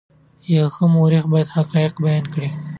یو ښه مورخ باید حقایق بیان کړي.